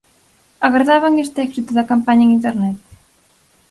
Agardaban este éxito da campaña en Internet?